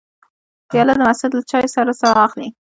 پیاله د مسجدو له چای سره ساه اخلي.